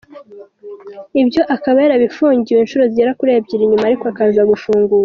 Ibyo akaba yarabifungiwe inshuro zigera kuri ebyiri nyuma ariko akaza gufungurwa.